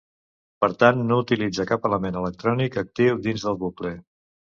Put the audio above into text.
Per tant, no utilitza cap element electrònic actiu dins del bucle.